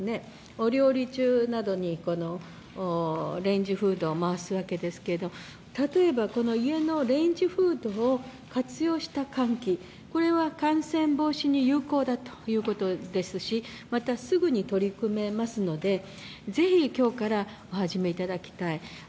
お料理中などにレンジフードを回すわけですけれども、例えば、家のレンジフードを活用した換気、これは感染防止に有効だということですしまた、すぐに取り組めますので、ぜひ今日からお始めいただきたい。